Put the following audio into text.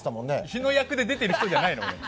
日野役で出てる人じゃないの。